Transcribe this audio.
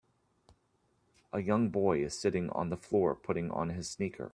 A young boy is sitting on the floor putting on his sneaker.